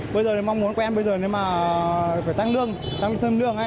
bây giờ mong muốn của em bây giờ phải tăng lương tăng thêm lương